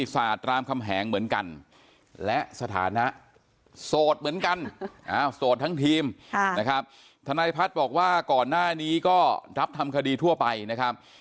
โสดเหมือนกันโสดทั้งทีมทนายภัทรบอกว่าก่อนหน้านี้ก็รับทำคดีทั่วไปนะครับ